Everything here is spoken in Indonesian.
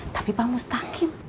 tapi pak mustaqim